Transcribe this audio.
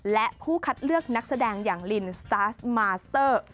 และผู้คัดเลือกนักแสดงอย่างลินซาสมาสเตอร์